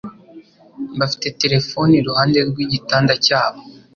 Bafite terefone iruhande rwigitanda cyabo.